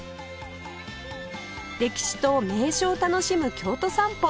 歴史と名所を楽しむ京都散歩。